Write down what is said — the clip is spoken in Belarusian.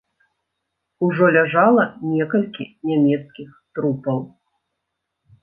Ужо ляжала некалькі нямецкіх трупаў.